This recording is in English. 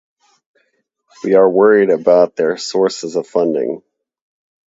We are worried about their sources of funding.